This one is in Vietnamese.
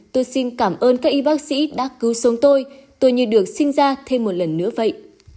tôi xin cảm ơn các y bác sĩ đã cứu sống tôi tôi như được sinh ra thêm một lần nữa vậy